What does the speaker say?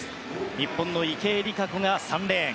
日本の池江璃花子が３レーン。